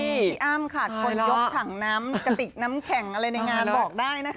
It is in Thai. นี่พี่อ้ำขาดคนยกถังน้ำกระติกน้ำแข็งอะไรในงานบอกได้นะคะ